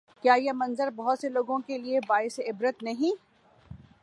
کیا یہ منظر بہت سے لوگوں کے لیے باعث عبرت نہیں؟